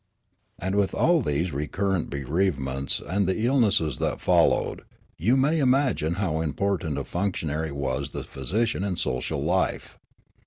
And with all these recurrent bereavements and the illnesses that followed, you may imagine how import ant a functionary was the physician in social life.